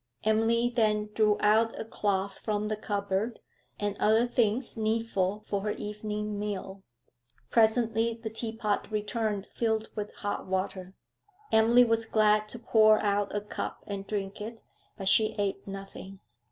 Emily then drew out a cloth from the cupboard, and other things needful for her evening meal. Presently the tea pot returned filled with hot water. Emily was glad to pour out a cup and drink it, but she ate nothing.